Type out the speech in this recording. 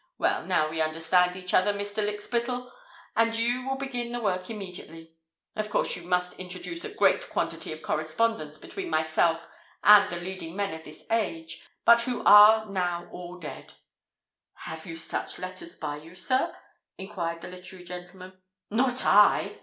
Well, now we understand each other, Mr. Lykspittal; and you will begin the work immediately. Of course you must introduce a great quantity of correspondence between myself and the leading men of this age, but who are now all dead." "Have you any such letters by you, sir?" enquired the literary gentleman. "Not I!"